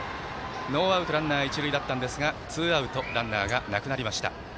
ノーアウトランナー、一塁だったんですがツーアウトランナーなくなりました。